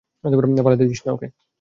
পালাতে দিস না ওকে।